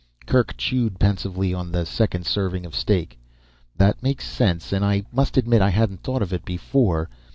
Kerk chewed pensively on the second serving of steak. "That makes sense. And I must admit I hadn't thought of it before.